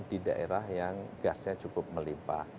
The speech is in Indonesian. di daerah yang gasnya cukup melimpah